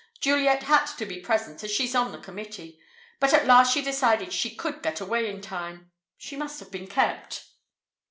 Juliet had to be present, as she's on the committee. But at last she decided she could get away in time. She must have been kept."